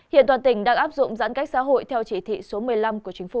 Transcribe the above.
hiện toàn tỉnh đang áp dụng giãn cách xã hội theo chỉ thị số một mươi năm của chính phủ